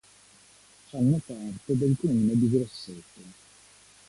Fanno parte del comune di Grosseto.